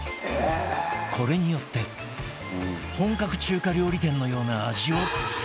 これによって本格中華料理店のような味を実現